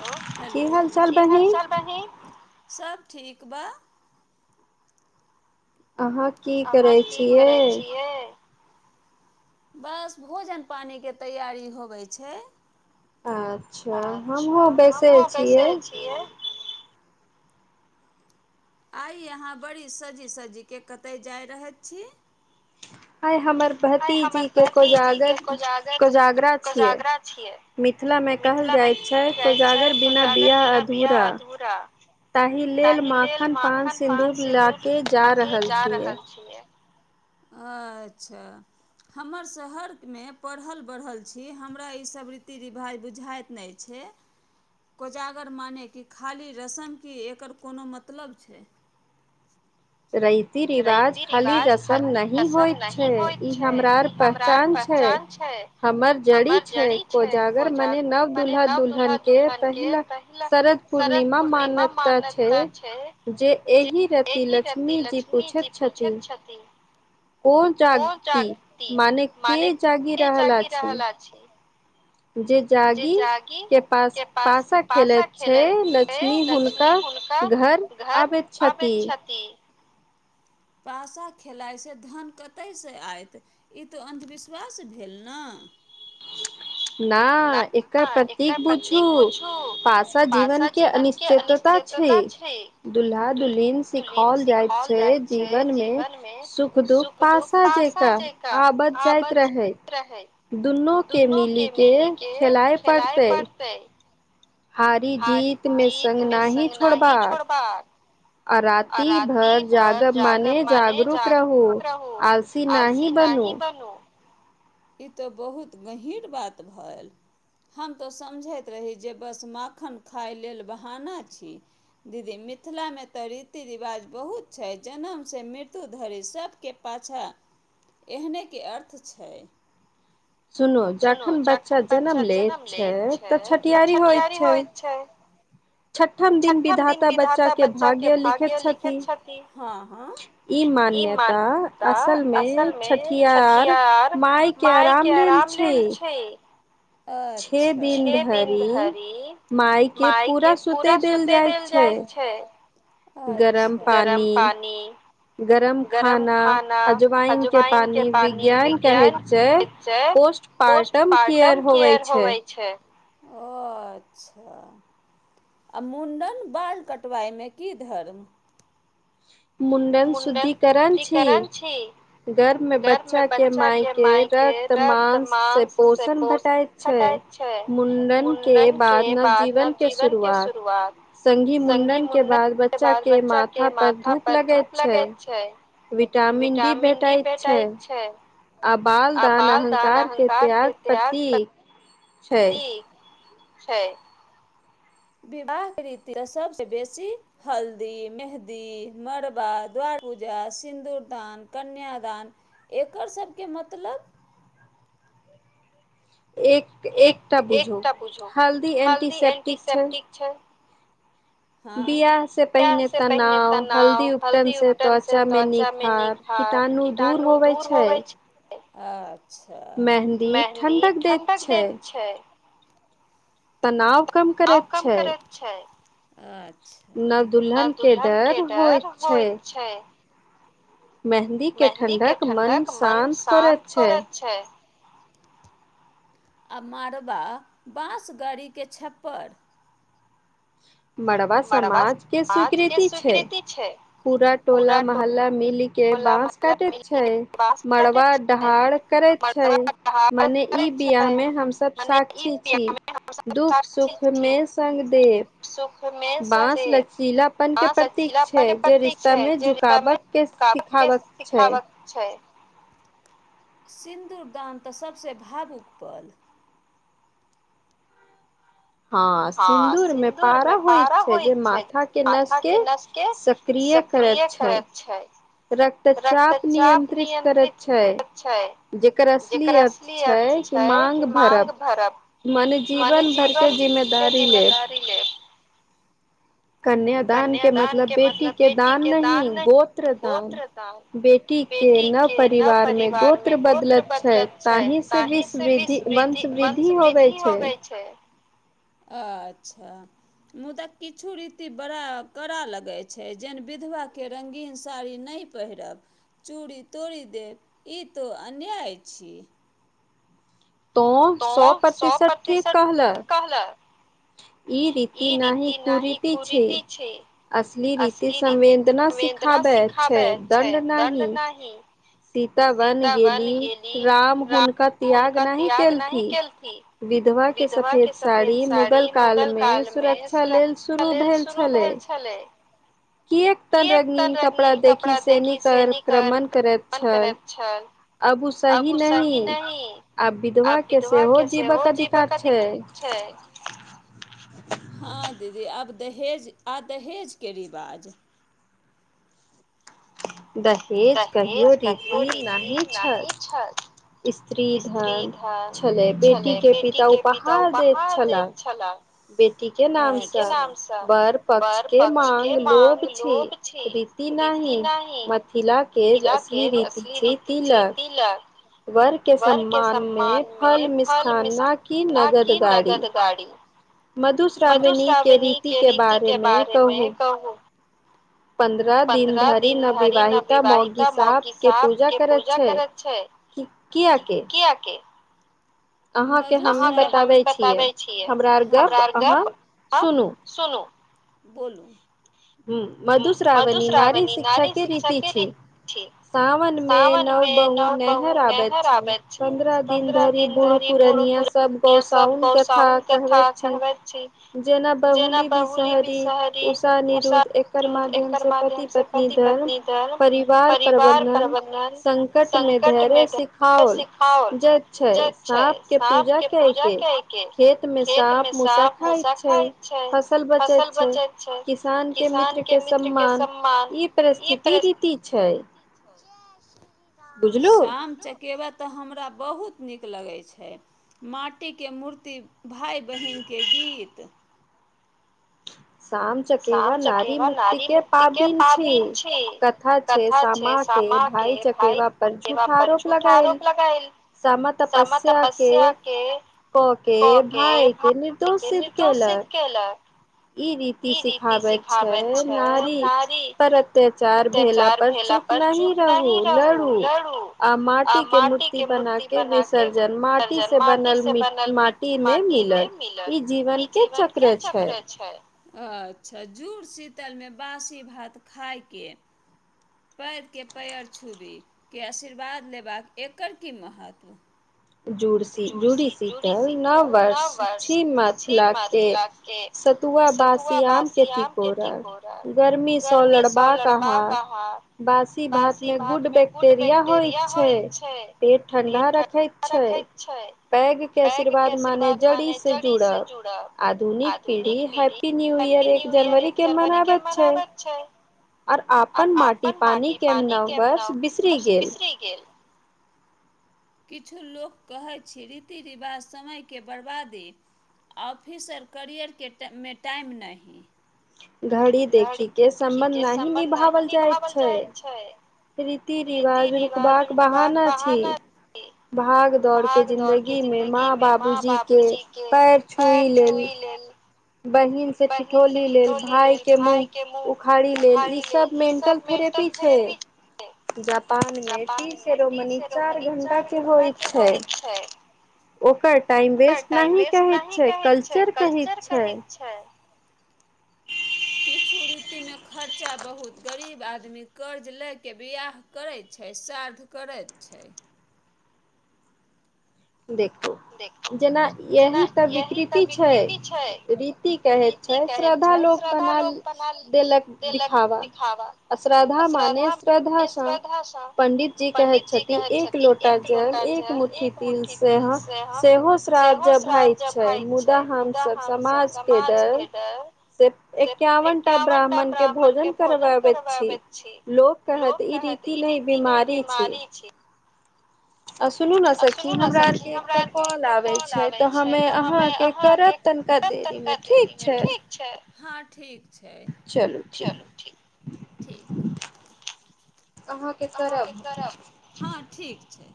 ह हेलो कि हाल चाल बहिन सब ठीकबा अहाँ की करैत छियैक बस भोजन पानी के तैयारी होबै छै अच्छा हमूँ बैसे छियै आइ अहाँ बड़ी सजी सजीके कतय जाय रहैत छी आइ हमर भतीजी के कोजगरा छियैक मिथिला मे कहल जाय छै कोजागर बिना बिया अधूरा ताहि लेल माखन पान सिन्दूर लऽ कऽ जा रहल छियैक अच्छा हमर शहरमे पढ़ल बढ़ल छी हमरा ईसभ रीति रिवाज बुझाइत नहि ऐ छै कोजागर मानै कि खाली रसम की एकर कोनो मतलब छै रैति रिवाज खाली रसम नहि होइत छै ई हमरा आर पह चान छै हमर जड़ी छै कोजागर मने नव दुल्हा दुल्हन के पहिला शरद पूर्णिमा मान्यता छै जे एहि राति लक्ष्मी जी पूछैत छथि कोन जगती मने के जगि रहल अछि जे जागी के पास पासा खेलैत छै लक्ष्मी हुनका घर अबैत छथि पासा खेलायसँ धन कतयसँ आयत ई तऽ अन्धविश्वास भेल न [inaudible] न एकर प्रतीक पुछू पासा जीवन के अनिस जेतता छै दुल्हा दुल्हिन सिखाओल जाइत छै जीवन मे सुख दुख पासा जेका आबत जाइत रहै दुनू के मिली के खेलाइ पड़तै हारी जीत मे संग नही छोड़बाक आराती भर जागब मने जागत रहू आलसी नहि नही बनु ई तऽ बहुत गहीर बात भ ऐल हम तऽ समझैत रही जे बस माखन खाय लेल बहाना छी दीदी मिथिला मे तऽ रीति रिवाज बहुत छै जनम सँ मृत्यु धरि सभके पाछाँ एहने के अर्थ छै सुनू जखन बच्चा जन्म लैत छै तऽ छठियारी होइत छै [inaudible] छठम दिन विधाता बच्चा के भाग्यो लिखैत छथि हँ हँ इ मानवता असल मे छठियार माय के आराम ल लेल छै अच्छा छे दिन धरि माय के पूरा सुते देल जाय छै अच्छा गरम पानी गरम खाना अजवाइन के पानि विज्ञान कहैत छइ पोस्टपार्टम केयर होवै छै अच्छह आ मुण्डन बाल कटवाइ मे की धर्म मु्डन शुद्धिकरण छी गर्भ में बच्चा के माय के रक्त मांस से पोषण भेटाइत छै मुंडन के बाद नवजीवन के शुरुआत संघी मुंडन के बाद बच्चा के माथा पर धूप लगैत छै विटामिन डी भेटाइत छै आ बाल दान अहंकार के त्याग प्रतीक छै छै विवाह रीति सबस बेसी हल्दी मेहदी मड़बा दुआर पूजा सिन्दूरदान कन्यादान एकर सबके मतलब एक एकटा बुझू हल्दी एन्टीसेप्टिक छैय हँ ब्याह से पहिने तनाव हल्दी उपटन से त्वचा मे निखार खार कीटाणु दूर होवे छै अच्छा मेहन्दी ठंडक देय तनाव आउर कम करे छै अच्छा नव दुल्हन के डर होइत छै मेहदी के ठण्डक मन शान्त करैत छैय आ मारबा बाँस गाड़ी के छप्पर मरबा समाज के स्वीकृति छैक पूरा टोला मोहल्ला मिल के बाँस काटैत छैक मड़बा ठार करैत छैक मने ई बियाह मे हमसब साक्षी छी दुःख सुख मे संग देव दुख मे संग देब प पति छै जे [unintelligible] सबके सिखाबक छैट सिन्दूरदान तऽ सबसे भावुक पल हँ सिन्दूर मे पारा होइत छैक जे माथा केँ नस के सक्रिय किए करैत छै रक्तचाप नियंत्रित करैत छैक जेकर असली अर्थ छैक कि माँग भरब मन जीवन भर के जि के जिम्मेदारी लेब कन्यादान के मतलब बेटी के दान नहि गोत्र दान बेटी के नव परिवार मे गोत्र बदलैत छैक ताहि से विश्ववृद्धि वंश वृद्धि होबय छै अच्छा मुदा किछु रि ती बड़ा कड़ा लगैत छै जेन विधवा के रंगीन साड़ी नहि पहिरब चू तोरी तोड़ि देब ई तो अन्याय अछि तो सए प्रतिशत कहल ई रीति नहि कुरीति छैक असल रीति संवेदना सिखाबैत छैक दन्ड नहि सीता बन गेली राम हुनका त्याग नहि केलथिन विधवा के सफेद साड़ी मुगल काल मे सुरक्षा लेल शुरू भेल छेलै किएक तन रंगनील कपड़ा देखी सेनिकान करैत छल अबू सही नहि [unintelligible] आ विधवा के सेहो जीवक अधिकार छैक हँ दीदी आब दहेज आ दहेजके रिवाज दहेज कहियो रीति नहि छैक स्त्री धन छलय बेटीक कें पिता उपहार दैत छलाह बेटी के नामसँ बर पक्ष के माँग लोभ छी नहि मिथिला केर असली रीति छी तिलक वर के सम्मान में फल मिष्ठाना की नगद गाड़ी मधुश्रावणी के रीति के बारेमे कहू पन्द्रह दिन धरि नवविवाहिता मौगी सप के पूजा करैत छै क आे [unintelligible] ह [inaudible] अहाँके हम बताबै छियै हमरा आर गप सुनू बोलू मधुश्रावण नरी शिक्षा क री ठीक सावन मे नव बहु नहर आबैत छैक पन्द्रह दिन धरी बुढ़ प सब गौसाउन कथा कहबैत छी जेना बहुली भष [unintelligible] शरी उषा [unintelligible] माध्यम से पति पत्नी धर्म परिवार प्रबंधन संकटमे धैर्य सिखाओल जे छय साँप के पूजा कर के खेत मे साप मुूसा खाइत छैक फसल बचैत छैक किसान केँ के मित्र के सम्मान ई शाम चकेबा तऽ हमरा बहुत नीक लगैत छैक माटिकें मूर्ति भाय बहिनके शीत शाम चकेवा नारी मुक्तकि पाबैन छैक कथा छै अ के भााय सेवा पर झूठा आरोप लगायल सम तपस्यके [unintelligible] ओ के भाय निर्दोषित क्ले ई रीति सिखाबैत छैक नारी अत्यचार भेल पर चुप न रहू लड़ू आ माटी के मूर्ति बना के सर्जन माटी से बनल माटी में मिलल ई जीवन के चक्र छै अच्छा जुड़ शीतलमे बासी भात खायके पैदके पैर छुबीके आशीर्वाद लेबाक एकर की महत्व जुड़ जुड़ीशीतल नओ वर्ष छी मिथिलाकें तुआ बासी आम के टिकोरा गर्मीसँ लड़बाक आहार बासी भात में गुड बैक्टेरिया होयत छैक पेट ठंडा रखैत छैक छै पैग के आशीर्वाद माने जड़ी से जुड़ब आधुनिक पीढ़ी हैप्पी न्यू ई अर एक जनवरी के मनाबैत छैक आओर अपन माटि पानि केँ नवर्ष बिसरि गेल किछु ल लोकक कहैत छी रीति रिवाज समयके बर्बादी ऑफिस आर करियर केटा मे टाइम नहि घड़ी देखिक के सम्बन्ध नहि निभओल जाइत छै रीति रिवाज रुकबाक बहाना छी भाग दौड़ के जिंन्दगी मे माँ बाबूजी के पैर छुई लेल बहिन से ठिठोली लेल भायके मुँह उखाड़ी लेल ईसभ मेंटल थेरपी छै जापान मे टी सेरोमनी चारि घण्टा के होइत छैक ओकर टाइम वेस्ट नहि कहैत छै कल्चर कहैत छै [inaudible] किछु रीति मे खर्चा बहुत गरीब आदमी कर्ज लएके बिआह करैत छथि श्राद्ध करैत छी देखू जेना यही तऽ विकृति छैक रीति कहैत छैक श्रद्धालु बना देलक दिखावा श्रद्धा माने श्रद्धाँ सँ पंडित जी कहे छथि एक लोटा जल जल एक मुटठी सेहो श्राद्ध जब भइत छै मुदा हमसभ समाज के डर से एक्यावन टा ब्राह्मण के भोजन करबाबैत छी लोक कहत ई खेती नहि बीमार छैक आ सुनू ने सखि हमरा आरके एकटा काल आबैत छै तऽ हमे अहाँके त तनिका देरी मे ठीक छै हँ ठीक छै चलू ठीक ठीक अहाँ के करब हँ ठीक छैक